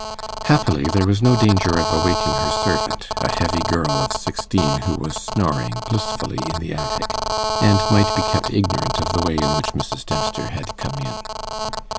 Happily there was no danger of awaking her servant, a heavy girl of sixteen, who was snoring blissfully in the attic, and might be kept ignorant of the way in which Mrs. Dempster had come in.